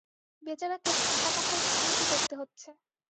বেচারাকে ছাতামাথায় হাঁটাহাটি করতে হচ্ছে।